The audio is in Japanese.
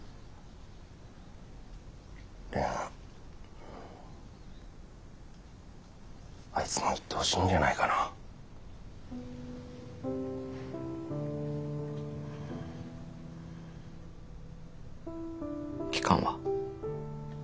蓮あいつも行ってほしいんじゃないかな。期間は？